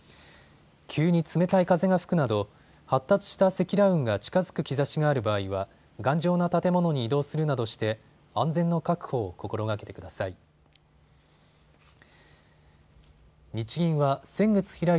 急に冷たい風が吹くなど発達した積乱雲が近づく兆しがある場合は頑丈な建物に移動するなどして安全の確保を心がけてください。